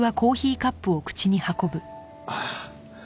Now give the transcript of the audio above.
ああ。